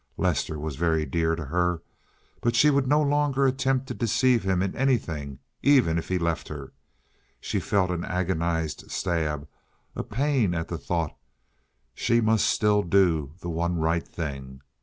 Lester was very dear to her, but she would no longer attempt to deceive him in anything, even if he left her—she felt an agonized stab, a pain at the thought—she must still do the one right thing.